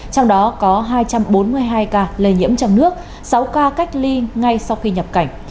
trong đó có hai trăm bốn mươi hai ca lây nhiễm trong nước sáu ca cách ly ngay sau khi nhập cảnh